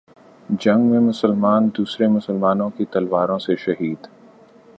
جنگ میں مسلمان دوسرے مسلمانوں کی تلواروں سے شہید